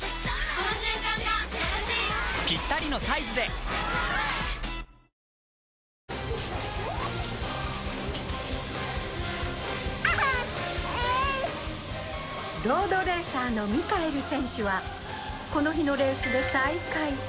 するとロードレーサーのミカエル選手はこの日のレースで最下位。